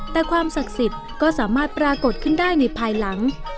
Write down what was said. แต่ความศักดิ์สิทธิ์ก็สามารถปรากฏขึ้นได้ในภายหลัง